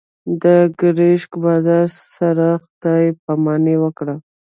د ګرشک بازار سره خدای پاماني وکړه.